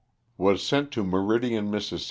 Was sent to Meridian, Miss.